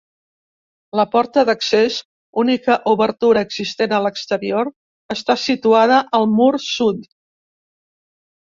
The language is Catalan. La porta d'accés, única obertura existent a l'exterior, està situada al mur sud.